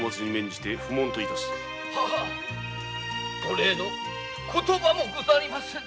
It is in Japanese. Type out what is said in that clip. ははッお礼の言葉もございませぬ。